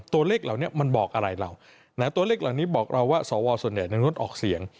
ตัวเลขเหล่านี้มันบอกอะไรเราตัวเลขเหล่านี้บอกเราว่าสวส่วนใหญ่นั้นงดออกเสียง